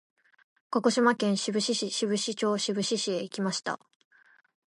鹿児島県志布志市志布志町志布志へ行きました。